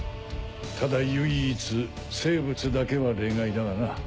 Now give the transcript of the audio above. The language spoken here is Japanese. ただ唯一生物だけは例外だがな。